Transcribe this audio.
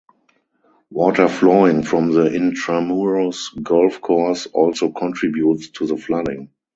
Water flowing from the Intramuros Golf Course also contributes to the flooding.